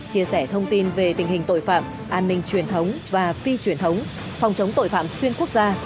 chia sẻ thông tin về tình hình tội phạm an ninh truyền thống và phi truyền thống phòng chống tội phạm xuyên quốc gia